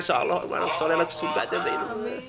insya allah insya allah anak anak sudah cantik